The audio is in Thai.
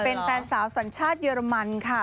เป็นแฟนสาวสัญชาติเยอรมันค่ะ